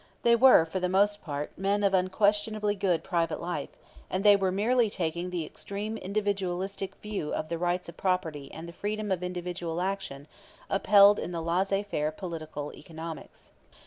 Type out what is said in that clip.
They were, for the most part, men of unquestionably good private life, and they were merely taking the extreme individualistic view of the rights of property and the freedom of individual action upheld in the laissez faire political economics.